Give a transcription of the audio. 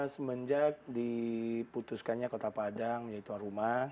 semenjak diputuskannya kota padang menjadi tuan rumah